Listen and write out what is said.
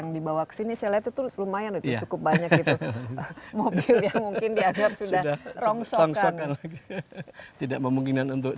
ini benar benar cantik dan kacak